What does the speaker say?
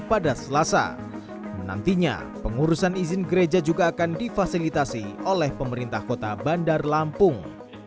pada selasa menantinya pengurusan izin gereja juga akan difasilitasi oleh pemerintah kota bandar lampung